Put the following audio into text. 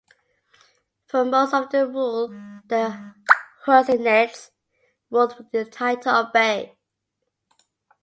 For most of their rule, the Husainids ruled with the title of Bey.